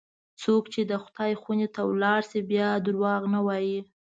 څوک چې د خدای خونې ته ولاړ شي، بیا دروغ نه وایي.